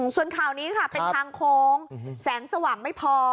ส่วนข่าวนี้ค่ะเป็นทางโค้งแสงสว่างไม่พอ